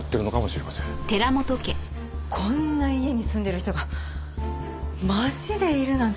こんな家に住んでる人がマジでいるなんて！